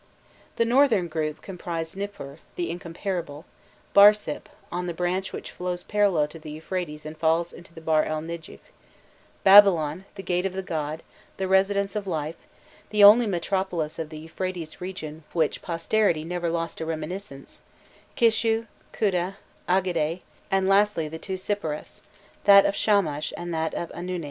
The northern group comprised Nipur, the "incomparable;" Barsip, on the branch which flows parallel to the Euphrates and falls into the Bahr i Nedjif; Babylon, the "gate of the god," the "residence of life," the only metropolis of the Euphrates region of which posterity never lost a reminiscence; Kishu, Kuta, Agade; and lastly the two Sipparas, that of Shamash and that of Anunit.